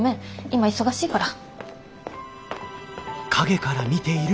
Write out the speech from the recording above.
今忙しいから。